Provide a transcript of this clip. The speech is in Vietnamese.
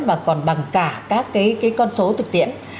mà còn bằng cả các cái con số thực tiễn